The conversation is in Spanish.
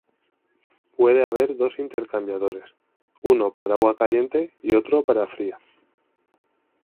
Puede haber dos intercambiadores, uno para agua caliente y otro para fría.